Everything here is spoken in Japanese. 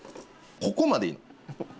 ここまでいい。